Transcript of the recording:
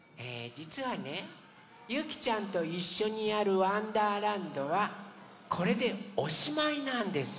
じつはねゆきちゃんといっしょにやる「わんだーらんど」はこれでおしまいなんですよ。